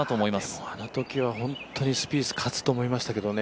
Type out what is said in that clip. でもあのときは本当にスピース勝つんだと思いましたけどね。